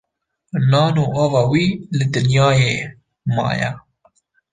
Nan û ava wî li dinyayê maye